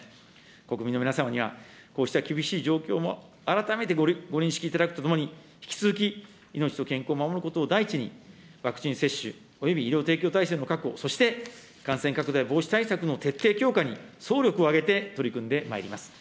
国民の皆様にはこうした厳しい状況も改めてご認識いただくとともに、引き続き命と健康を守ることを第一に、ワクチン接種および医療提供体制の確保、そして感染拡大防止対策の徹底強化に総力を挙げて、取り組んでまいります。